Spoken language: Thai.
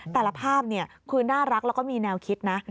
แต่ละภาพคือน่ารักแล้วก็มีแนวคิดนะ